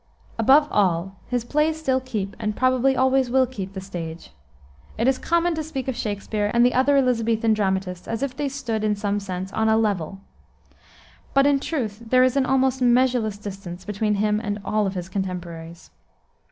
Above all, his plays still keep, and probably always will keep, the stage. It is common to speak of Shakspere and the other Elisabethan dramatists as if they stood, in some sense, on a level. But in truth there is an almost measureless distance between him and all his contemporaries.